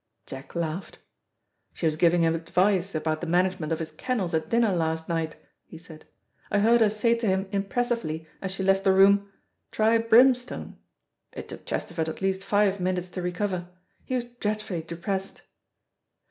Jack laughed. "She was giving him advice about the management of his kennels at dinner last night," he said. "I heard her say to him impressively, as she left the room, 'Try brimstone.' It took Chesterford at least five minutes to recover. He was dreadfully depressed."